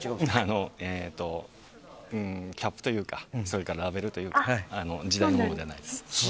キャップというかラベルというか時代が違います。